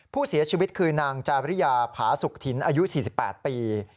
ผู้เสียชีวิตคือนางจาริยาผาสุขถิ่นอายุ๔๘ปี